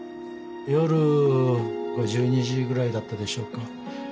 夜１２時ぐらいだったでしょうか。